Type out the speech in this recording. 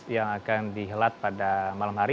yang akan dihelat pada malam hari